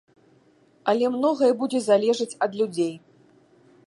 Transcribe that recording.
Але многае будзе залежаць ад людзей.